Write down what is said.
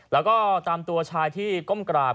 แล้วก็ตามตัวชายที่ก้มกราบ